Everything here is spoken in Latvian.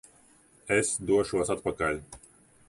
Es došos atpakaļ!